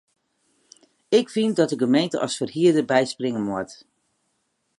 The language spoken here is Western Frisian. Ik fyn dat de gemeente as ferhierder byspringe moat.